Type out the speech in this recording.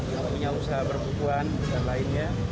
yang punya usaha berbukuan dan lainnya